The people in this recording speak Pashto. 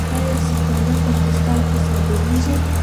آیا سکاره پاکستان ته صادریږي؟